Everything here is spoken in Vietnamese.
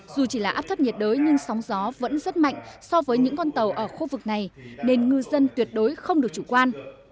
dù chỉ là áp thấp nhiệt đới nhưng sóng gió vẫn rất mạnh so với những con tàu ở khu vực này nên ngư dân tuyệt đối không được chủ quan